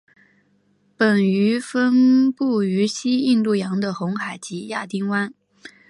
本鱼分布于西印度洋的红海及亚丁湾。